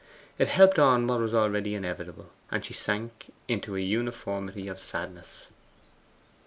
It helped on what was already inevitable, and she sank into a uniformity of sadness.